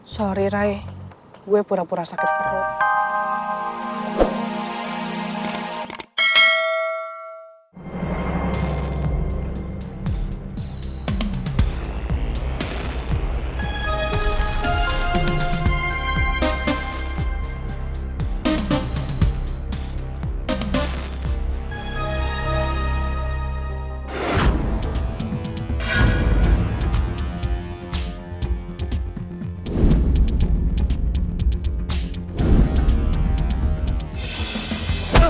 sorry rai gue pura pura sakit perut